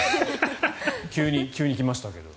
急に来ましたけど。